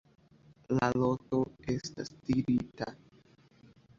La loto estas tirita.